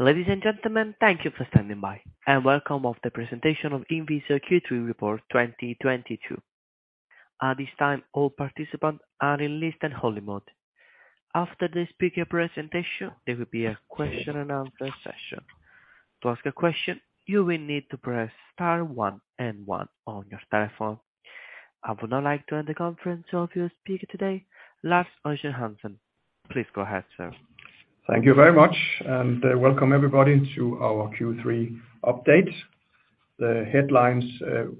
Ladies and gentlemen, thank you for standing by, and welcome to the presentation of INVISIO Q3 report 2022. At this time, all participants are in listen-only mode. After the speaker presentation, there will be a question and answer session. To ask a question, you will need to press star one and one on your telephone. I would now like to hand the conference to our floor speaker today, Lars Højgård Hansen. Please go ahead, sir. Thank you very much, welcome everybody to our Q3 update. The headlines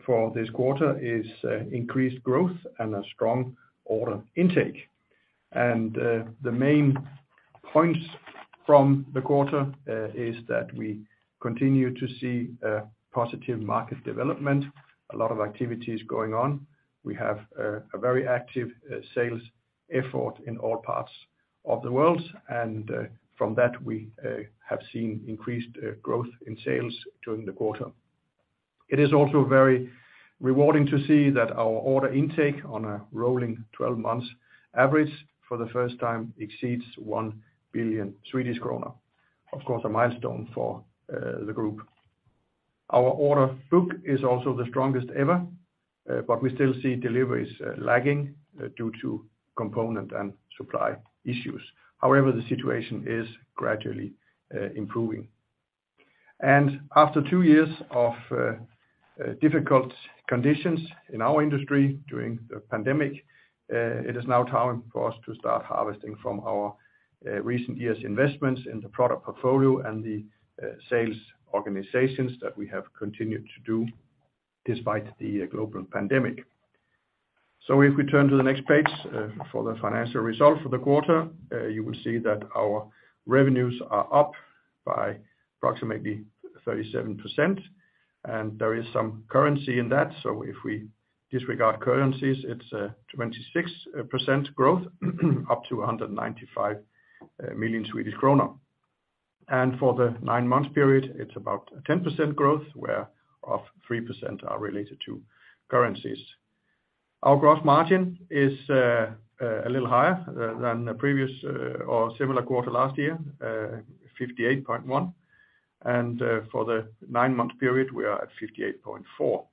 for this quarter is increased growth and a strong order intake. The main points from the quarter is that we continue to see a positive market development, a lot of activities going on. We have a very active sales effort in all parts of the world, and from that, we have seen increased growth in sales during the quarter. It is also very rewarding to see that our order intake on a rolling 12 months average, for the first time exceeds 1 billion Swedish krona. Of course, a milestone for the group. Our order book is also the strongest ever, but we still see deliveries lagging due to component and supply issues. However, the situation is gradually improving. After two years of difficult conditions in our industry during the pandemic, it is now time for us to start harvesting from our recent years' investments in the product portfolio and the sales organizations that we have continued to do despite the global pandemic. If we turn to the next page for the financial result for the quarter, you will see that our revenues are up by approximately 37%. There is some currency in that, so if we disregard currencies, it's 26% growth up to 195 million Swedish kronor. For the nine-month period, it's about 10% growth, whereof 3% are related to currencies. Our gross margin is a little higher than the previous or similar quarter last year, 58.1%. For the nine-month period, we are at 58.4 million.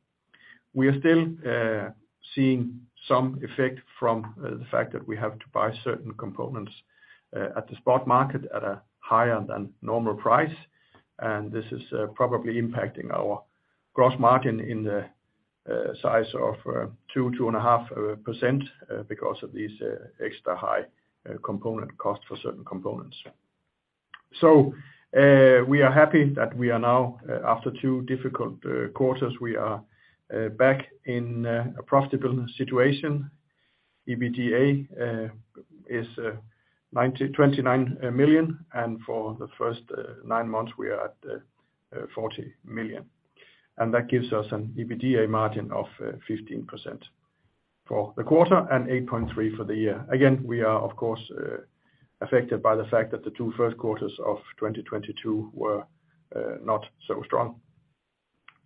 We are still seeing some effect from the fact that we have to buy certain components at the spot market at a higher than normal price. This is probably impacting our gross margin in the size of 2%-2.5%, because of these extra high component costs for certain components. We are happy that we are now, after two difficult quarters, back in a profitable situation. EBITDA is 29 million, and for the first nine months we are at 40 million. That gives us an EBITDA margin of 15% for the quarter and 8.3% for the year. Again, we are, of course, affected by the fact that the two first quarters of 2022 were not so strong.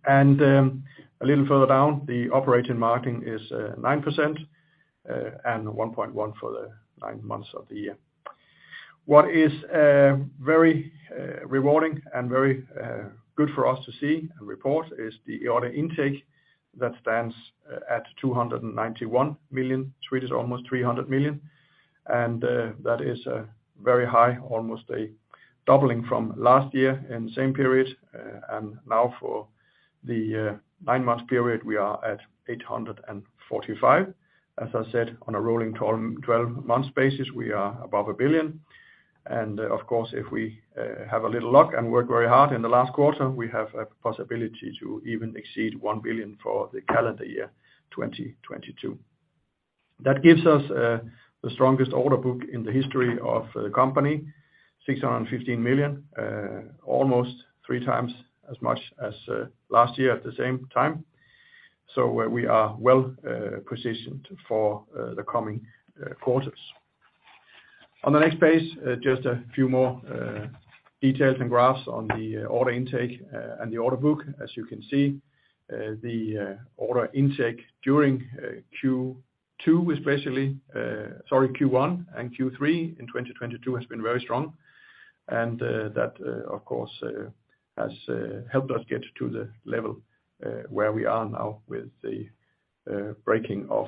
A little further down, the operating margin is 9% and 1.1 for the nine months of the year. What is very rewarding and very good for us to see and report is the order intake that stands at 291 million, almost 300 million. That is very high, almost a doubling from last year in the same period. Now for the nine-month period, we are at 845 million. As I said, on a rolling 12-month basis, we are above 1 billion. Of course, if we have a little luck and work very hard in the last quarter, we have a possibility to even exceed 1 billion for the calendar year 2022. That gives us the strongest order book in the history of the company, 615 million, almost three times as much as last year at the same time. We are well positioned for the coming quarters. On the next page, just a few more details and graphs on the order intake and the order book. As you can see, the order intake during Q1 and Q3 in 2022 has been very strong. That of course has helped us get to the level where we are now with the breaking of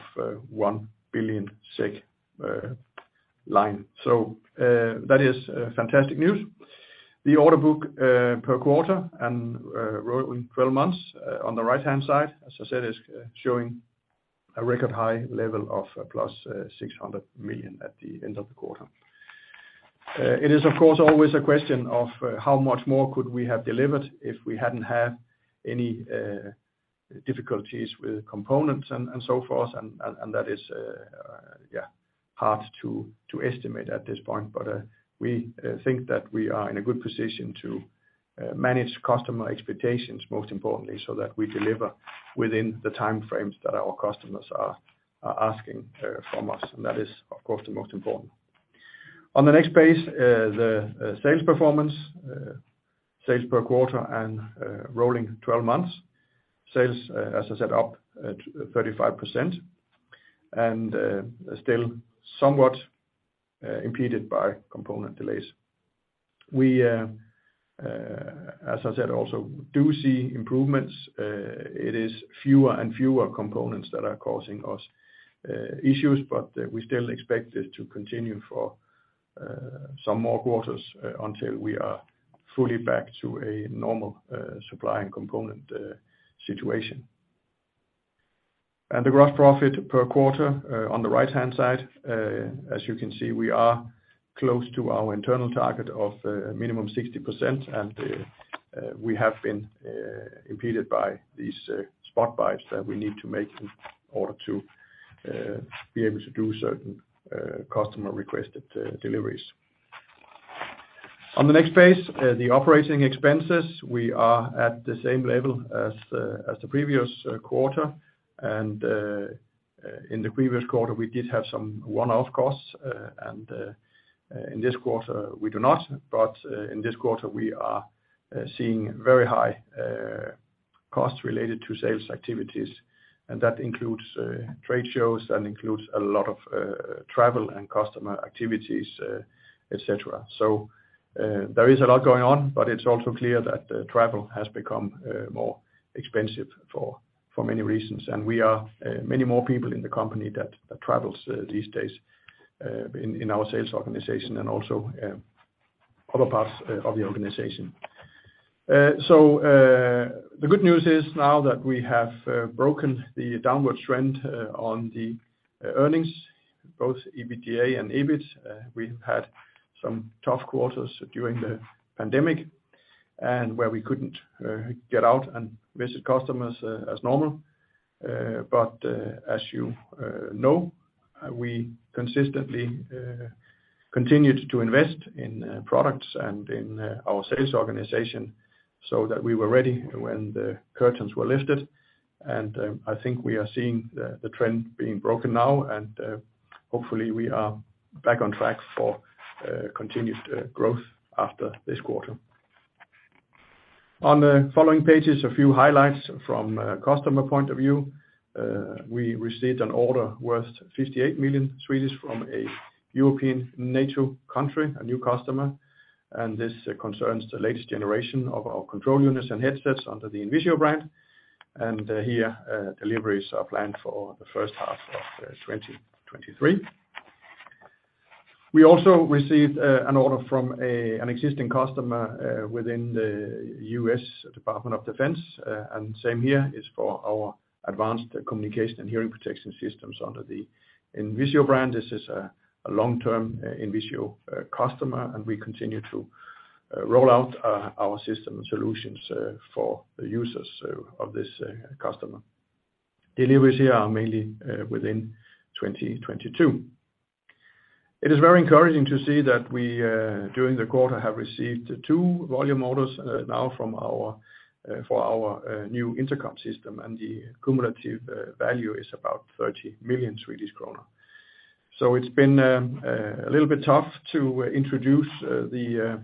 1 billion SEK line. That is fantastic news. The order book per quarter and rolling twelve months on the right-hand side, as I said, is showing a record high level of plus 600 million at the end of the quarter. It is of course always a question of how much more could we have delivered if we hadn't had any difficulties with components and that is yeah hard to estimate at this point. We think that we are in a good position to manage customer expectations, most importantly, so that we deliver within the time frames that our customers are asking from us. That is, of course, the most important. On the next page, the sales performance, sales per quarter and rolling twelve months. Sales, as I said, up at 35%. Still somewhat impeded by component delays. We, as I said, also do see improvements. It is fewer and fewer components that are causing us issues, but we still expect it to continue for some more quarters until we are fully back to a normal supply and component situation. The gross profit per quarter, on the right-hand side, as you can see, we are close to our internal target of minimum 60%. We have been impeded by these spot buys that we need to make in order to be able to do certain customer-requested deliveries. On the next page, the operating expenses, we are at the same level as the previous quarter. In the previous quarter, we did have some one-off costs, and in this quarter we do not. In this quarter we are seeing very high costs related to sales activities, and that includes trade shows and includes a lot of travel and customer activities, et cetera. There is a lot going on, but it's also clear that travel has become more expensive for many reasons. We have many more people in the company that travels these days in our sales organization and also other parts of the organization. The good news is now that we have broken the downward trend on the earnings, both EBITDA and EBIT. We've had some tough quarters during the pandemic, where we couldn't get out and visit customers as normal. As you know, we consistently continued to invest in products and in our sales organization so that we were ready when the curtains were lifted. I think we are seeing the trend being broken now, and hopefully we are back on track for continued growth after this quarter. On the following pages, a few highlights from a customer point of view. We received an order worth 58 million from a European NATO country, a new customer, and this concerns the latest generation of our control units and headsets under the INVISIO brand. Here, deliveries are planned for the first half of 2023. We also received an order from an existing customer within the U.S. Department of Defense. Same here, it's for our advanced communication and hearing protection systems under the INVISIO brand. This is a long-term INVISIO customer, and we continue to roll out our system solutions for users of this customer. Deliveries here are mainly within 2022. It is very encouraging to see that we during the quarter have received two volume orders now for our new intercom system, and the cumulative value is about 30 million Swedish kronor. It's been a little bit tough to introduce the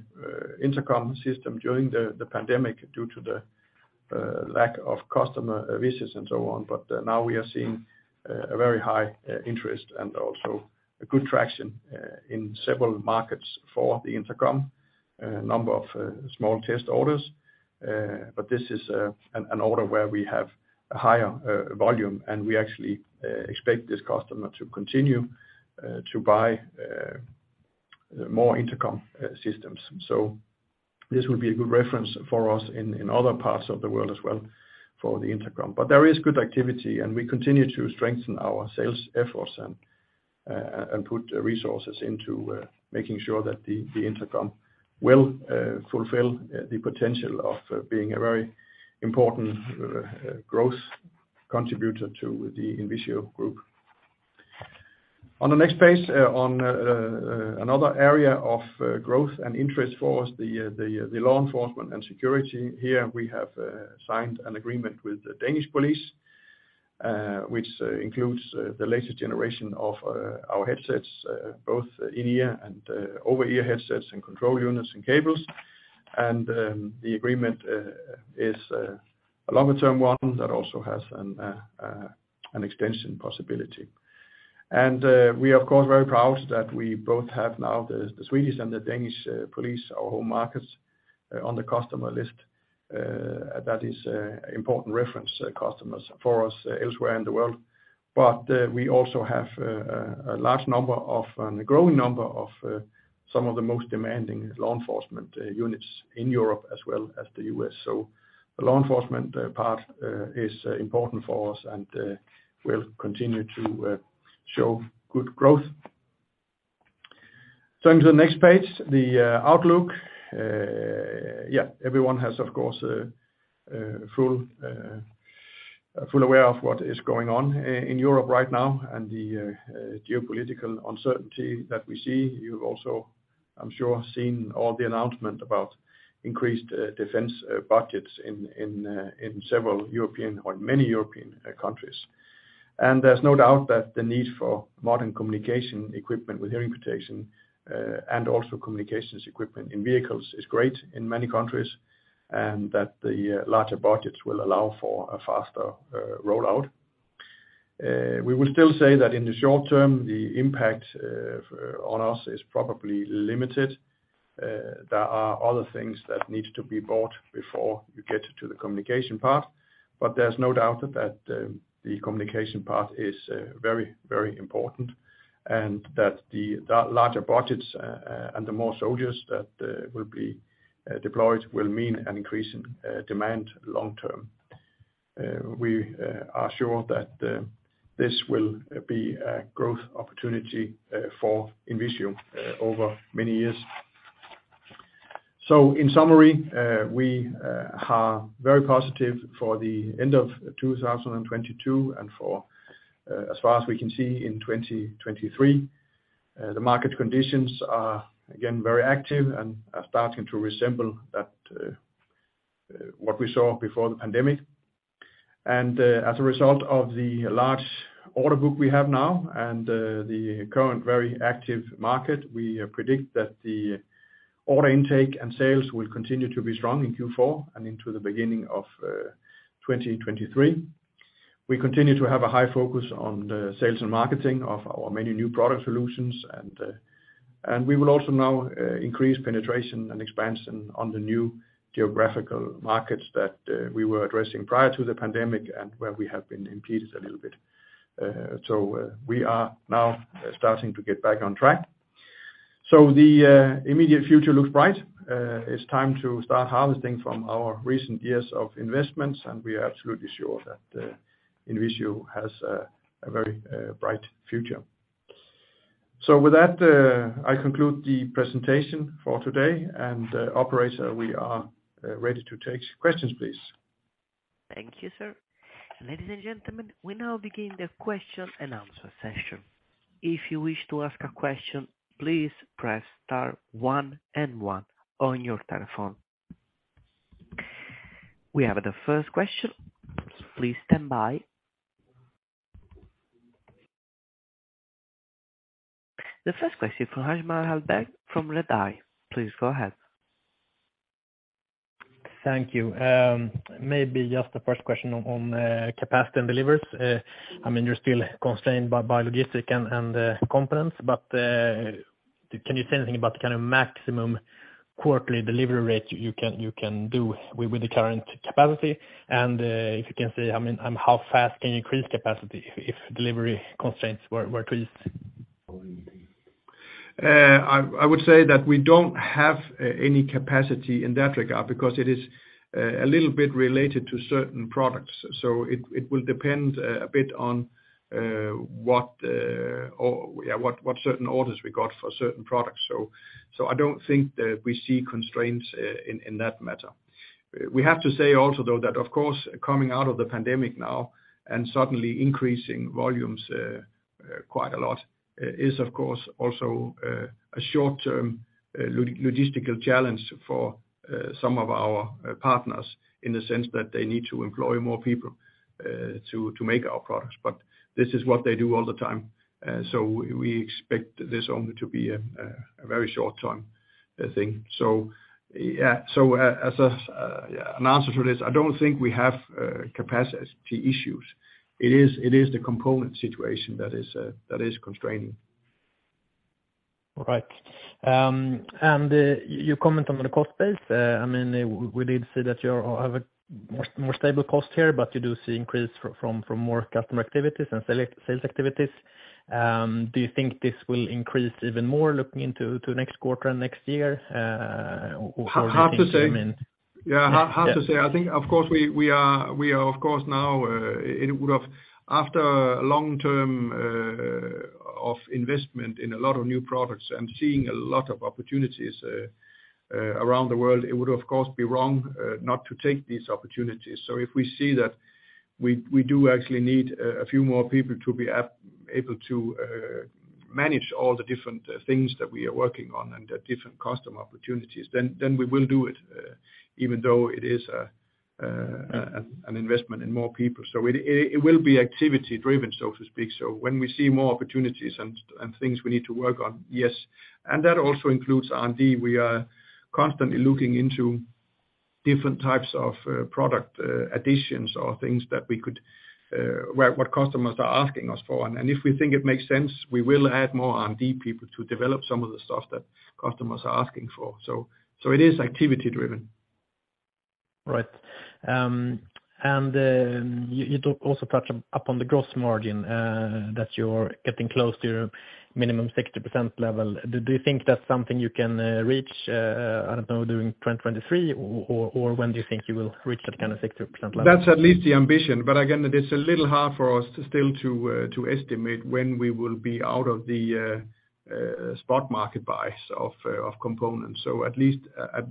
intercom system during the pandemic due to the lack of customer visits and so on. Now we are seeing a very high interest and also a good traction in several markets for the intercom. A number of small test orders. This is an order where we have a higher volume, and we actually expect this customer to continue to buy more intercom systems. This will be a good reference for us in other parts of the world as well for the intercom. There is good activity, and we continue to strengthen our sales efforts and put resources into making sure that the intercom will fulfill the potential of being a very important growth contributor to the INVISIO Group. On the next page, another area of growth and interest for us, the law enforcement and security. Here we have signed an agreement with the Danish police, which includes the latest generation of our headsets, both in-ear and over-ear headsets and control units and cables. The agreement is a longer-term one that also has an extension possibility. We are of course very proud that we now have both the Swedish and the Danish police, our home markets, on the customer list. That is important reference customers for us elsewhere in the world. We also have a large and growing number of some of the most demanding law enforcement units in Europe as well as the U.S. The law enforcement part is important for us and will continue to show good growth. Turning to the next page, the outlook. Everyone has of course fully aware of what is going on in Europe right now and the geopolitical uncertainty that we see. You've also, I'm sure, seen all the announcement about increased defense budgets in several or many European countries. There's no doubt that the need for modern communication equipment with hearing protection and also communications equipment in vehicles is great in many countries, and that the larger budgets will allow for a faster rollout. We will still say that in the short term, the impact on us is probably limited. There are other things that need to be bought before you get to the communication part, but there's no doubt that the communication part is very important, and that larger budgets and the more soldiers that will be deployed will mean an increase in demand long term. We are sure that this will be a growth opportunity for INVISIO over many years. In summary, we are very positive for the end of 2022 and, as far as we can see, in 2023. The market conditions are again very active and are starting to resemble what we saw before the pandemic. As a result of the large order book we have now and the current very active market, we predict that the order intake and sales will continue to be strong in Q4 and into the beginning of 2023. We continue to have a high focus on the sales and marketing of our many new product solutions and we will also now increase penetration and expansion on the new geographical markets that we were addressing prior to the pandemic and where we have been impeded a little bit. We are now starting to get back on track. The immediate future looks bright. It's time to start harvesting from our recent years of investments, and we are absolutely sure that INVISIO has a very bright future. With that, I conclude the presentation for today, and operator, we are ready to take questions, please. Thank you, sir. Ladies and gentlemen, we now begin the question and answer session. If you wish to ask a question, please press star one and one on your telephone. We have the first question. Please stand by. The first question from Hjalmar Ahlberg from Redeye. Please go ahead. Thank you. Maybe just the first question on capacity and deliveries. I mean, you're still constrained by logistics and components, but can you say anything about the kind of maximum quarterly delivery rate you can do with the current capacity? If you can say, I mean, how fast can you increase capacity if delivery constraints were to ease? I would say that we don't have any capacity in that regard because it is a little bit related to certain products. It will depend a bit on what certain orders we got for certain products. I don't think that we see constraints in that matter. We have to say also though, that of course, coming out of the pandemic now and suddenly increasing volumes quite a lot is of course also a short-term logistical challenge for some of our partners in the sense that they need to employ more people to make our products. This is what they do all the time. We expect this only to be a very short-term thing. Yeah. As an answer to this, I don't think we have capacity issues. It is the component situation that is constraining. All right. You comment on the cost base. I mean, we did see that you have a more stable cost here, but you do see increase from more customer activities and sales activities. Do you think this will increase even more looking into next quarter and next year? Or do you think, I mean- Hard to say. Yeah. Hard to say. I think of course we are of course now following long-term investment in a lot of new products and seeing a lot of opportunities around the world. It would of course be wrong not to take these opportunities. If we see that we do actually need a few more people to be able to manage all the different things that we are working on and the different customer opportunities, then we will do it even though it is an investment in more people. It will be activity driven, so to speak. When we see more opportunities and things we need to work on, yes, and that also includes R&D. We are constantly looking into different types of product additions or things that we could what customers are asking us for. If we think it makes sense, we will add more R&D people to develop some of the stuff that customers are asking for. It is activity driven. Right. You do also touch on the gross margin that you are getting close to your minimum 60% level. Do you think that's something you can reach, I don't know, during 2023? When do you think you will reach that kind of 60% level? That's at least the ambition, but again, it is a little hard for us still to estimate when we will be out of the spot market buys of components. At least,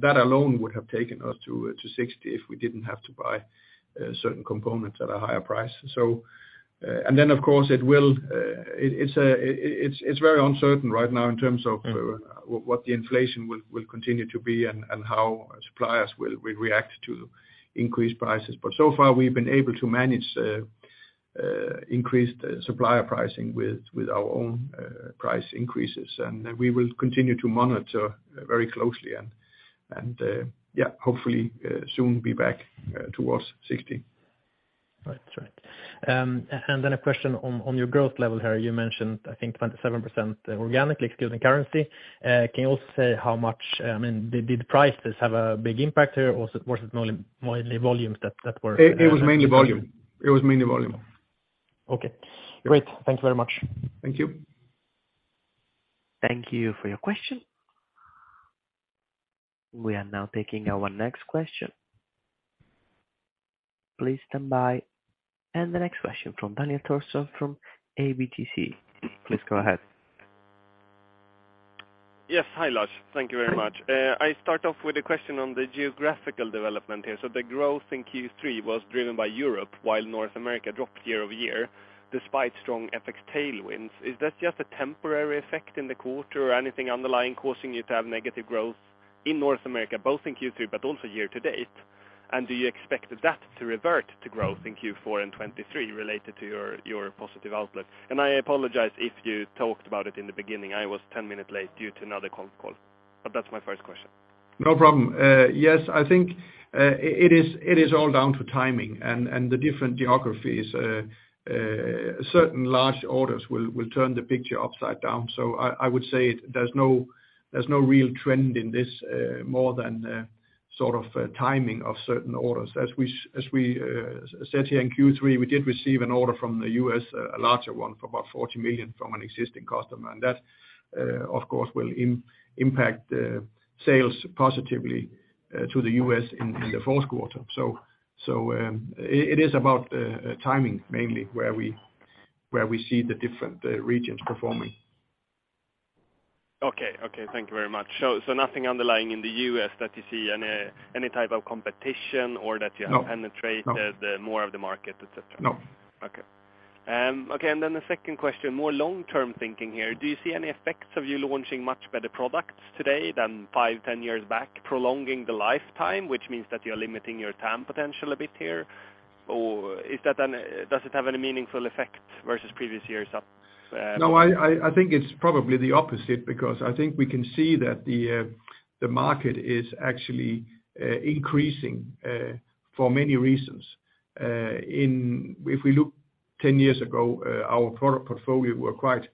that alone would have taken us to 60% if we didn't have to buy certain components at a higher price. Of course, it's very uncertain right now in terms of. Mm-hmm. What the inflation will continue to be and how suppliers will react to increased prices. So far we've been able to manage increased supplier pricing with our own price increases. We will continue to monitor very closely and hopefully soon be back towards 60%. Right. A question on your growth level here. You mentioned I think 27% organically excluding currency. Can you also say how much, I mean, did prices have a big impact here, or was it mainly volumes that were? It was mainly volume. Okay. Great. Thank you very much. Thank you. Thank you for your question. We are now taking our next question. Please stand by. The next question from Daniel Thorsson from ABG. Please go ahead. Yes. Hi, Lars. Thank you very much. I start off with a question on the geographical development here. The growth in Q3 was driven by Europe while North America dropped year-over-year despite strong FX tailwinds. Is that just a temporary effect in the quarter or anything underlying causing you to have negative growth in North America, both in Q3 but also year-to-date? And do you expect that to revert to growth in Q4 and 2023 related to your positive outlook? And I apologize if you talked about it in the beginning. I was 10 minutes late due to another conf call, but that's my first question. No problem. Yes, I think it is all down to timing and the different geographies. Certain large orders will turn the picture upside down. I would say there's no real trend in this, more than sort of timing of certain orders. As we said here in Q3, we did receive an order from the U.S, a larger one for about 40 million from an existing customer. That, of course, will impact sales positively to the U.S. in the fourth quarter. It is about timing mainly where we see the different regions performing. Okay. Thank you very much. Nothing underlying in the US that you see any type of competition or that you- No. Have penetrated more of the market, et cetera? No. Okay. The second question, more long-term thinking here. Do you see any effects of you launching much better products today than five, 10 years back, prolonging the lifetime, which means that you're limiting your TAM potential a bit here? Or is that? Does it have any meaningful effect versus previous years of No, I think it's probably the opposite because I think we can see that the market is actually increasing for many reasons. If we look 10 years ago, our product portfolio were quite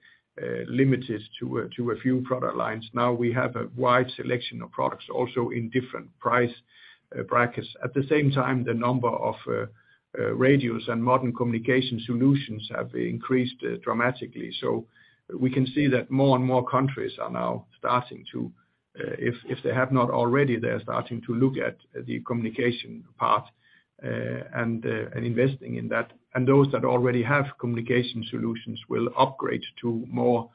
limited to a few product lines. Now we have a wide selection of products also in different price brackets. At the same time, the number of radios and modern communication solutions have increased dramatically. We can see that more and more countries are now starting to, if they have not already, they're starting to look at the communication part and investing in that. Those that already have communication solutions will upgrade to more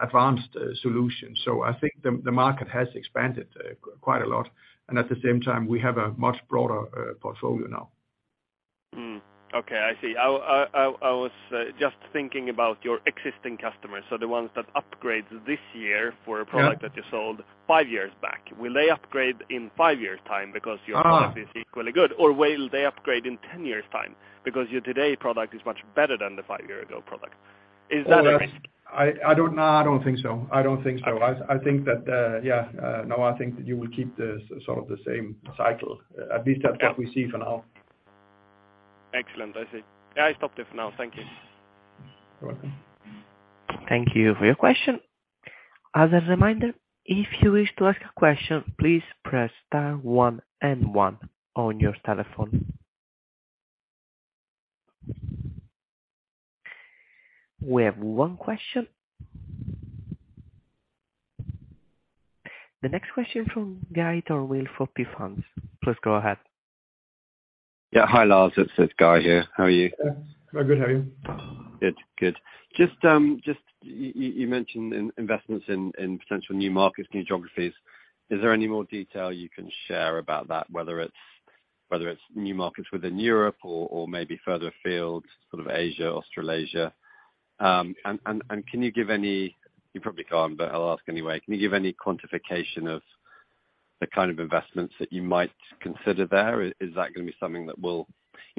advanced solutions. I think the market has expanded quite a lot, and at the same time we have a much broader portfolio now. Okay. I see. I was just thinking about your existing customers, so the ones that upgrade this year for a product. Yeah. That you sold 5 years back. Will they upgrade in 5 years' time because your product is equally good? Or will they upgrade in 10 years' time because your today product is much better than the 5-year-ago product? Is that a risk? I don't think so. I think that you will keep the sort of the same cycle. At least that's what we see for now. Excellent. I see. Yeah, I stop there for now. Thank you. You're welcome. Thank you for your question. As a reminder, if you wish to ask a question, please press star one and one on your telephone. We have one question. The next question from [Guy Darwell] for [P Funds]. Please go ahead. Yeah. Hi, Lars. It's Guy here. How are you? Very good. How are you? Good. Good. Just you mentioned investments in potential new markets, new geographies. Is there any more detail you can share about that, whether it's new markets within Europe or maybe further afield, sort of Asia, Australasia? And can you give any quantification of the kind of investments that you might consider there? Is that gonna be something that will?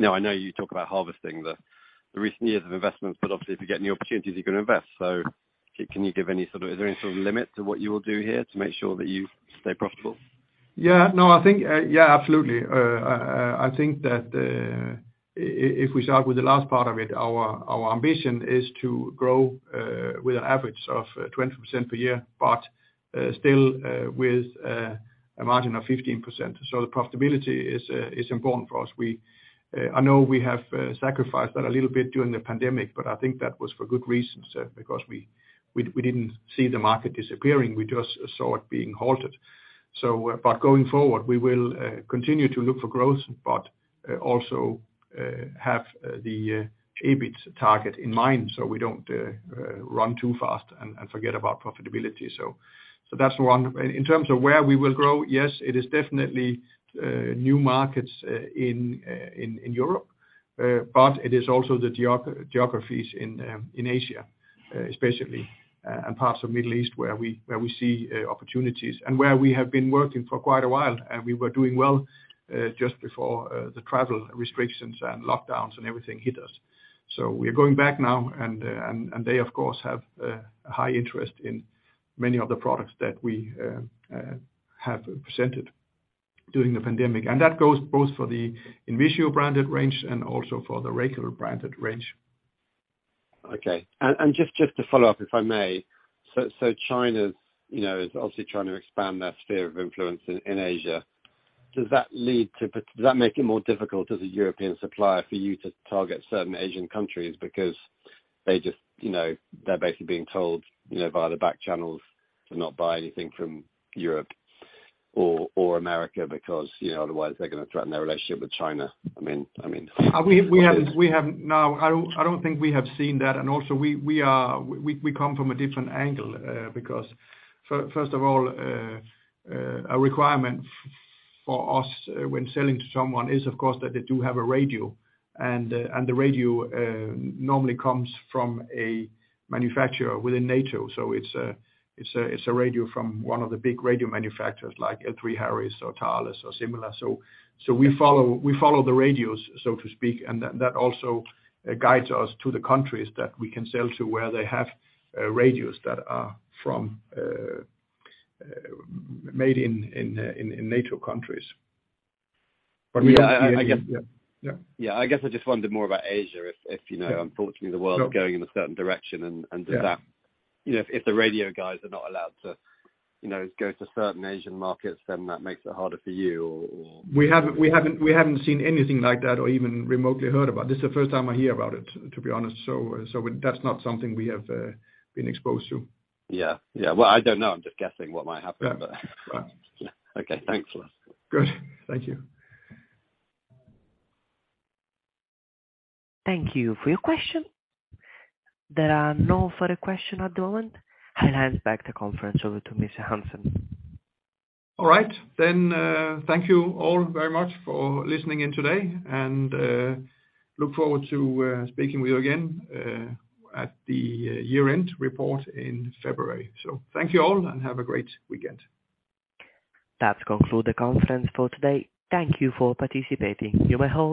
I know you talk about harvesting the recent years of investments, but obviously if you get new opportunities, you're gonna invest. Can you give any sort of limit to what you will do here to make sure that you stay profitable? Yeah. No, I think, yeah, absolutely. I think that if we start with the last part of it, our ambition is to grow with an average of 20% per year, but still with a margin of 15%. The profitability is important for us. I know we have sacrificed that a little bit during the pandemic, but I think that was for good reasons, because we didn't see the market disappearing, we just saw it being halted. But going forward, we will continue to look for growth, but also have the EBIT target in mind so we don't run too fast and forget about profitability. That's one. In terms of where we will grow, yes, it is definitely new markets in Europe, but it is also the geographies in Asia, especially, and parts of Middle East where we see opportunities and where we have been working for quite a while, and we were doing well just before the travel restrictions and lockdowns and everything hit us. We are going back now and they of course have a high interest in many of the products that we have presented during the pandemic. That goes both for the INVISIO-branded range and also for the Racal-branded range. Okay. Just to follow up, if I may. China's, you know, is obviously trying to expand their sphere of influence in Asia. Does that make it more difficult as a European supplier for you to target certain Asian countries because they just, you know, they're basically being told, you know, via the back channels to not buy anything from Europe or America because, you know, otherwise they're gonna threaten their relationship with China? I mean. We haven't. No, I don't think we have seen that, and also we come from a different angle, because first of all, a requirement for us when selling to someone is of course that they do have a radio and the radio normally comes from a manufacturer within NATO. It's a radio from one of the big radio manufacturers like L3Harris or Thales or similar. We follow the radios, so to speak, and that also guides us to the countries that we can sell to where they have radios that are made in NATO countries. From a European Yeah. I guess. Yeah. Yeah. Yeah. I guess I just wondered more about Asia if you know. Yeah. Unfortunately the world's going in a certain direction and does that. Yeah. You know, if the radio guys are not allowed to, you know, go to certain Asian markets, then that makes it harder for you or. We haven't seen anything like that or even remotely heard about it. This is the first time I hear about it, to be honest. That's not something we have been exposed to. Yeah. Well, I don't know, I'm just guessing what might happen, but Yeah. Right. Okay. Thanks. Good. Thank you. Thank you for your question. There are no further questions at the moment. I'll hand the conference back over to Mr. Lars Højgård Hansen. All right. Thank you all very much for listening in today, and look forward to speaking with you again at the year-end report in February. Thank you all, and have a great weekend. That concludes the conference for today. Thank you for participating. You may hold.